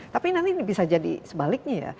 tapi nanti bisa jadi sebaliknya ya